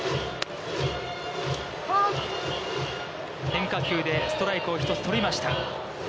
変化球でストライクを１つ取りました。